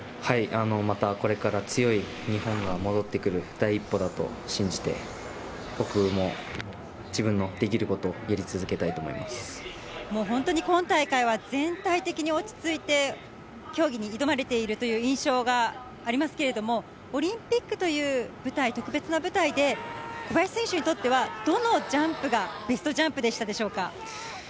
またこれから強い日本が戻ってくる第一歩だと信じて、僕も自分のできることをやり続けたいともう本当に、今大会は全体的に落ち着いて競技に挑まれているという印象がありますけれども、オリンピックという舞台、特別な舞台で、小林選手にとっては、どのジャンプがベストジャンプでしたでしょうか。